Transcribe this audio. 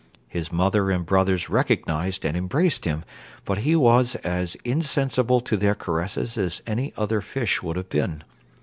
His mother and brothers recognised and embraced him; but he was as insensible to their caresses as any other fish would have been.